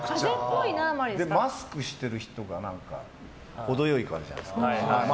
マスクしている人がほどよい感じじゃないですか。